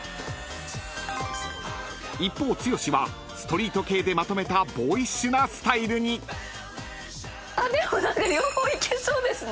［一方剛はストリート系でまとめたボーイッシュなスタイルに］でも何か。